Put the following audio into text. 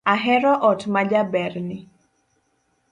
Ahero ot ma jaberni.